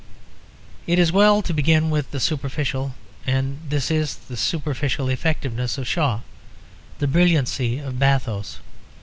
It is well to begin with the superficial; and this is the superficial effectiveness of Shaw; the brilliancy of bathos.